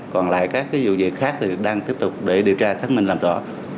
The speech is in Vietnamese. còn lại các vụ việc khác thì đang tiếp tục để điều tra xác minh làm rõ